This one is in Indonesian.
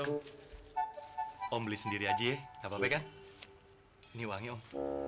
om beli sendiri aja nggak apa apa kan ini wangi om